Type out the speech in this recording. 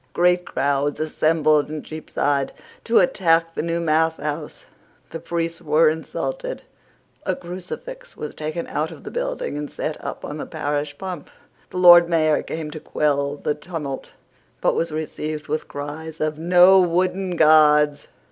Great crowds assembled in Cheapside to attack the new mass house. The priests were insulted. A crucifix was taken out of the building and set up on the parish pump. The Lord Mayor came to quell the tumult, but was received with cries of "No wooden gods."